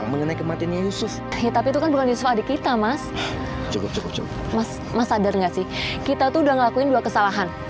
mas mas sadar gak sih kita tuh udah ngelakuin dua kesalahan